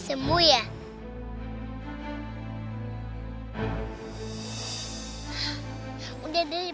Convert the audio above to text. bangun bunda dari